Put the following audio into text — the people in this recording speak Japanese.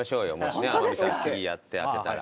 次やって当てたら。